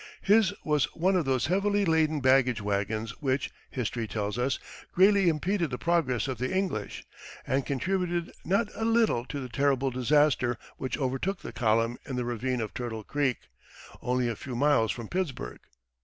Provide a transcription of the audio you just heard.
His was one of those heavily laden baggage wagons which, history tells us, greatly impeded the progress of the English, and contributed not a little to the terrible disaster which overtook the column in the ravine of Turtle Creek, only a few miles from Pittsburg.